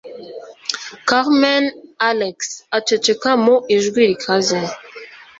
Carmen," Alex aceceka mu ijwi rikaze.